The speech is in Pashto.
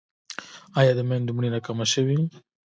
آیا د میندو مړینه کمه شوې؟